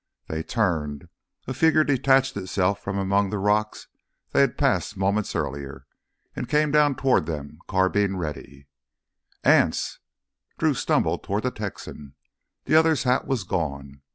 They turned. A figure had detached itself from among the rocks they had passed moments earlier and came down toward them carbine ready. "Anse!" Drew stumbled toward the Texan. The other's hat was gone.